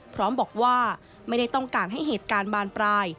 พร้อมบอกว่าไม่ได้ต้องการให้เหตุการณ์บานปลาย